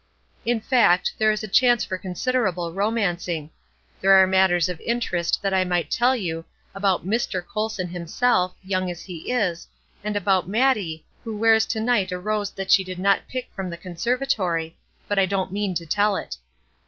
In fact, there is a chance for considerable romancing. There are matters of interest that I might tell you, about "Mr. Colson" himself, young as he is; and about Mattie, who wears to night a rose that she did not pick from the conservatory; but I don't mean to tell it.